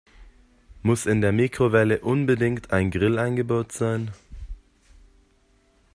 Muss in der Mikrowelle unbedingt ein Grill eingebaut sein?